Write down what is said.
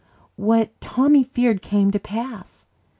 What Tommy feared came to pass.